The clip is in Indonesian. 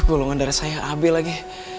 golongan darah saya ab lagi